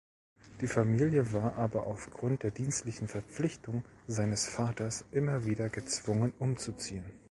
Die Familie war aber aufgrund der dienstlichen Verpflichtung seines Vaters immer wieder gezwungen umzuziehen.